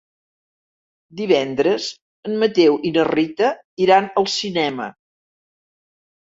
Divendres en Mateu i na Rita iran al cinema.